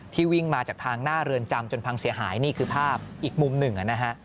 วิ่งมาจากทางหน้าเรือนจำจนพังเสียหายนี่คือภาพอีกมุมหนึ่งนะฮะ